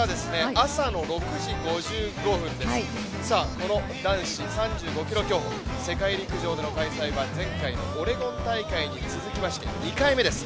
この男子３５ｋｍ競歩世界陸上での開催は前回のオレゴン大会に続いて２回目です。